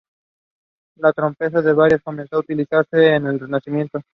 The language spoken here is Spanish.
La trompeta de varas comenzó a utilizarse en el Renacimiento.